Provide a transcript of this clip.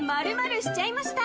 ○しちゃいました